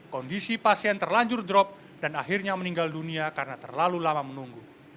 kondisi pasien terlanjur drop dan akhirnya meninggal dunia karena terlalu lama menunggu